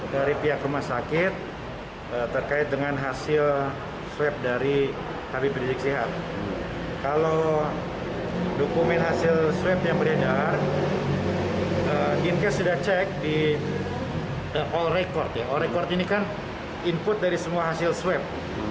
dikatakan input dari semua hasil swab